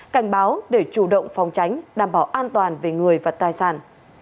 cảnh báo để chủ động phòng tránh đảm bảo an toàn về người và tài sản